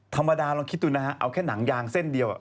ธรรมดาลองคิดดูนะฮะเอาแค่หนังยางเส้นเดียว